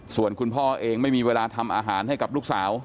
ส่วนคุณพ่อเองไม่มีเวลาทำอาหารให้กับลูกสาว